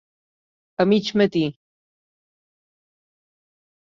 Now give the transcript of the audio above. A mig matí.